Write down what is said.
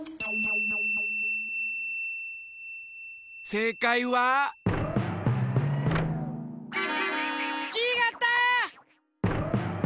せいかいは？ちがった！